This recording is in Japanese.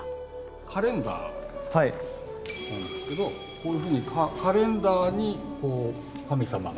カレンダーなんですけどこういうふうにカレンダーに神様がいらっしゃる。